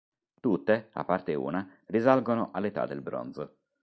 Tutte, a parte una, risalgono all'età del bronzo.